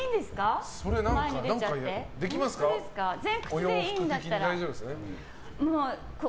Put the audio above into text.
前屈でいいんだったら。